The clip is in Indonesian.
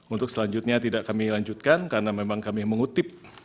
untuk selanjutnya tidak kami lanjutkan karena memang kami mengutip